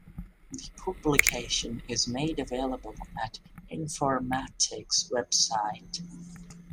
The publication is made available at Informatics Website.